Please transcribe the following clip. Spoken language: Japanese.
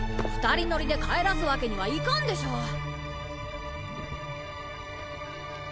二人乗りで帰らすわけにはいかんでしょ！